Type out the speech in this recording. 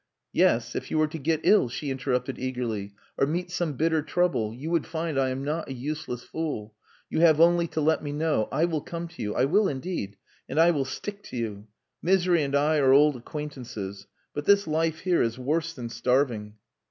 "Yes, if you were to get ill," she interrupted eagerly, "or meet some bitter trouble, you would find I am not a useless fool. You have only to let me know. I will come to you. I will indeed. And I will stick to you. Misery and I are old acquaintances but this life here is worse than starving."